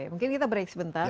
mungkin kita break sebentar